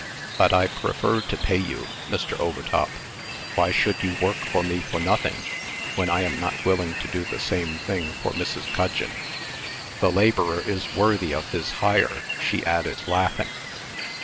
"But I prefer to pay you, Mr. Overtop. Why should you work for me for nothing, when I am not willing to do the same thing for Mrs. Gudgeon? 'The laborer is worthy of his hire,'" she added, laughing.